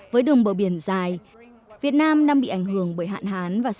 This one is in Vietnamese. với đường bờ biển dài việt nam đang bị ảnh hưởng bởi hạng nông nghiệp xanh bền vững